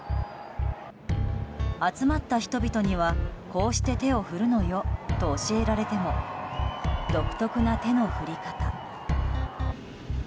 集まった人々には、こうして手を振るのよと教えられても独特な手の振り方。